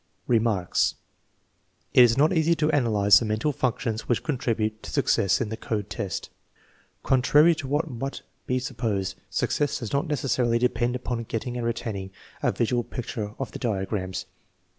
Remarks. It is not easy to analyze the mental functions which contribute to success in the code test. Contrary to what might be supposed, success does not necessarily de pend upon getting and retaining a visual picture of the dia grams.